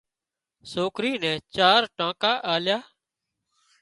سوڪري نين چار ٽانڪا آليا